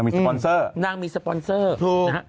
สปอนเซอร์นางมีสปอนเซอร์ถูก